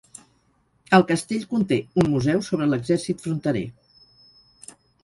El castell conté un museu sobre l'exèrcit fronterer.